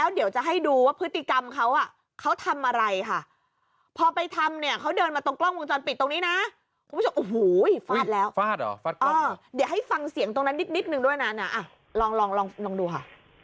อ๋อเดี๋ยวให้ฟังเสียงตรงนั้นนิดนึงด้วยนะอ่ะลองลองลองลองดูค่ะ